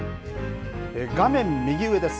画面右上です。